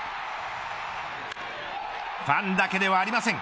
ファンだけではありません。